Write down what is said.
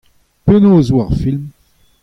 Penaos e oa ar film ?